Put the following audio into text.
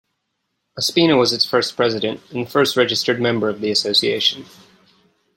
Ospina was its first President, and the first registered member of the association.